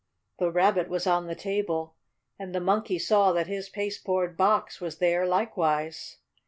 The Rabbit was on the table, and the Monkey saw that his pasteboard box was there likewise.